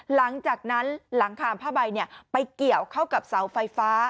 หลังจากนั้นหลังคาผ้าใบไปเกี่ยวเข้ากับเสาไฟฟ้า